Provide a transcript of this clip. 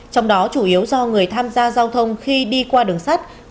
trong đó chủ yếu do người tham gia giao thông khi đi qua đường sắt việt nam